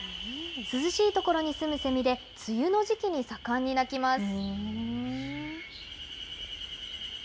涼しい所に住むセミで、梅雨の時期に盛んに鳴きます。